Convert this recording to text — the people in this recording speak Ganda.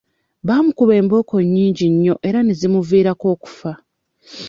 Baamukuba embooko nnyingi nnyo era ne zimuviirako okufa.